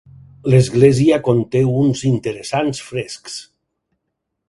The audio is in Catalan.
L'església conté uns interessants frescs.